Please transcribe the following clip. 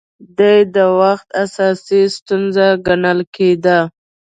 دې د وخت اساسي ستونزه ګڼل کېده